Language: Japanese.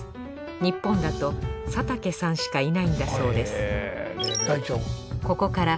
日本だと佐竹さんしかいないんだそうです